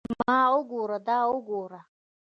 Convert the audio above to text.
ما وګوره دا وګوره.